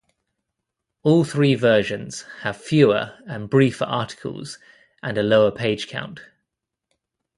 All three versions have fewer and briefer articles and a lower page count.